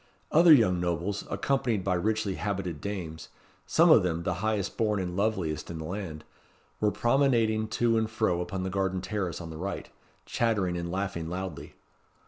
Other young nobles, accompanied by richly habited dames some of them the highest born and loveliest in the land were promenading to and fro upon the garden terrace on the right, chattering and laughing loudly.